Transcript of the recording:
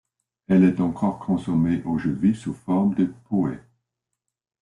Elle est encore consommée aujourd'hui sous forme de po'e.